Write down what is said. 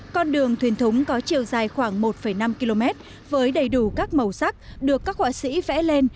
con đường thuyền thúng có chiều dài khoảng một năm km với đầy đủ các màu sắc được các họa sĩ vẽ lên